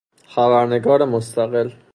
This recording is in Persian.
خبرنگار مستقل